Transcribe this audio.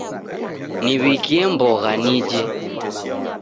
Niw'ikie mbogha nije.